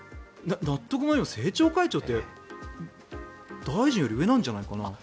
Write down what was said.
納得も何も、政調会長って大臣より上なんじゃないかな？